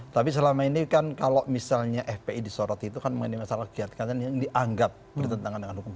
tapi selama ini kan kalau misalnya fpi disorot itu kan mengenai masalah kegiatan kegiatan yang dianggap bertentangan dengan hukum